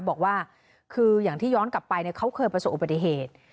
บอกว่าคืออย่างที่ย้อนกลับไปเขาเคยประสบอุบัติเหตุ